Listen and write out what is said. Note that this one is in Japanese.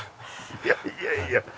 いやいやいや。